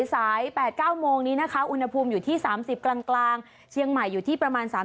ฮัลโหลฮัลโหลฮัลโหลฮัลโหล